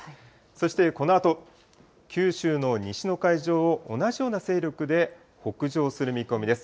そしてこのあと、九州の西の海上を同じような勢力で北上する見込みです。